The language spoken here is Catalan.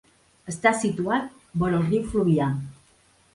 Està situat vora el riu Fluvià.